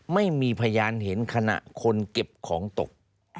ไม่มีพยานเห็นขณะคนเก็บของตก